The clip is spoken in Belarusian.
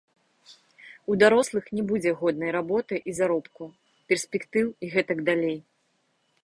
У дарослых не будзе годнай работы і заробку, перспектыў і гэтак далей.